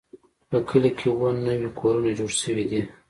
په کلي کې اووه نوي کورونه جوړ شوي دي.